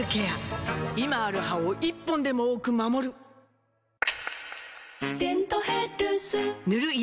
今ある歯を１本でも多く守る「デントヘルス」塗る医薬品も